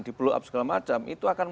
di blow up segala macam itu akan